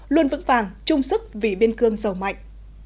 luôn vững vàng trung sức vì biên cương giàu mạnh